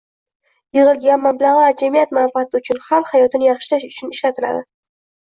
Yig‘ilgan mablag‘lar jamiyat manfaati uchun, xalq hayotini yaxshilash uchun ishlatiladi.